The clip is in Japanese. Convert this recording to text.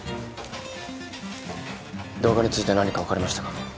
動画について何か分かりましたか？